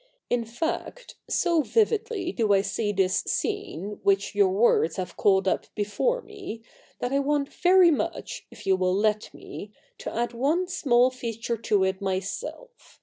In fact, so vividly do I see this scene which your words have called up before me, that I want very much, if you will let me, to add one small feature to it, myself.